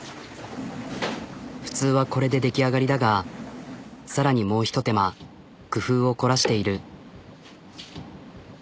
普通はこれで出来上がりだが更にもう一手間工夫を凝らしている。